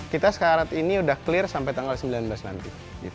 kita sekarang ini sudah clear sampai tanggal sembilan belas nanti